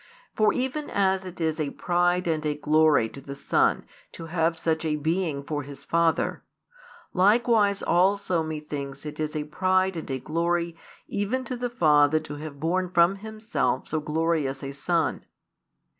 For even as it is a pride and a glory to the Son to have such a Being for His Father, likewise also methinks it is a pride and a glory even to the Father to have born from Himself so glorious a Son.